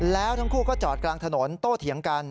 แล้วทั้งคู่ก็จอดกลางถนนโต้เถียงกัน